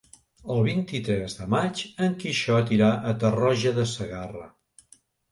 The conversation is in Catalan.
El vint-i-tres de maig en Quixot irà a Tarroja de Segarra.